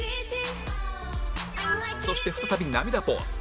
そして再び涙ポーズ